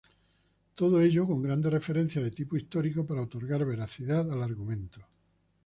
Todo ello con grandes referencias de tipo histórico para otorgar veracidad al argumento.